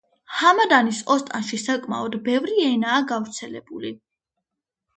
ჰამადანის ოსტანში საკმაოდ ბევრი ენაა გავრცელებული.